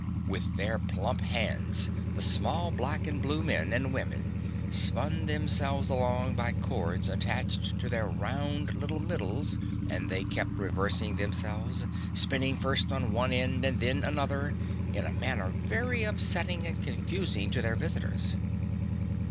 With their plump hands the small black and blue men and women spun themselves along by cords attached to their round little middles and they kept reversing themselves, spinning first on one end and then another in a manner very upsetting and confusing to their visitors.